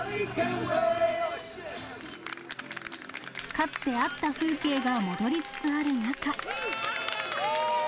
かつてあった風景が戻りつつある中。